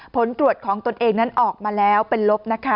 ผลตรวจของตนเองนั้นออกมาแล้วเป็นลบนะคะ